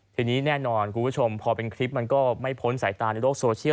ทีนี้แน่นอนคุณผู้ชมพอเป็นคลิปมันก็ไม่พ้นสายตาในโลกโซเชียล